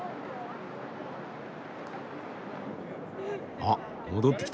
あっ戻ってきた